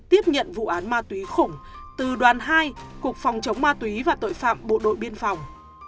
tiếp nhận vụ án ma túy khủng từ đoàn hai cục phòng chống ma túy và tội phạm bộ đội biên phòng